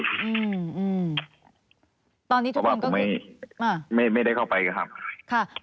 เพราะว่าผมไม่ได้เข้าไปครับ